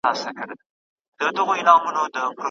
په فضا کې د ستورو ترمنځ ډېره فاصله ده.